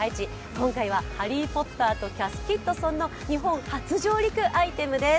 今回は「ハリー・ポッターとキャスキッドソン」の日本初上陸商品です。